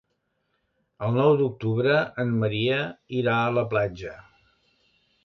El nou d'octubre en Maria irà a la platja.